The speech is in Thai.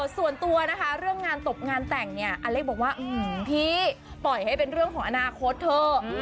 ส่วนตัวนะคะเรื่องงานตบงานแต่งเนี่ยอเล็กบอกว่าพี่ปล่อยให้เป็นเรื่องของอนาคตเถอะ